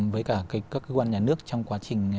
với cả các cơ quan nhà nước trong quá trình